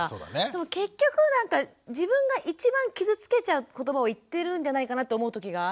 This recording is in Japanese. でも結局なんか自分が一番傷つけちゃう言葉を言ってるんじゃないかなって思う時があるんですよね。